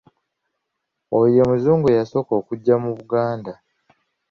Oyo ye muzungu eyasooka okujja mu Buganda.